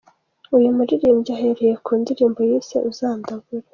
Uyu muririmbyi ahereye ku ndirimbo yise ’Uzandabure’.